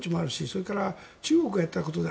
それから、中国がやったことで